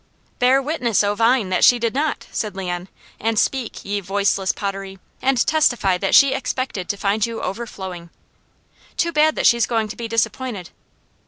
"Bear witness, O vine! that she did not," said Leon, "and speak, ye voiceless pottery, and testify that she expected to find you overflowing." "Too bad that she's going to be disappointed."